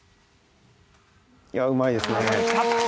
いやうまいですね。